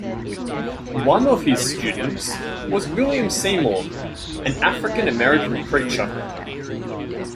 One of his students was William Seymour, an African-American preacher.